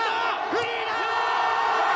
フリーだ！